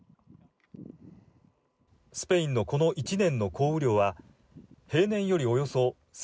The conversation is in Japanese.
スペインのこの１年の降雨量は平年より、およそ３０％